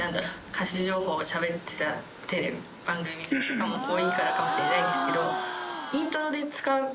歌手情報をしゃべってたテレビ番組が多いからかもしれないんですけど。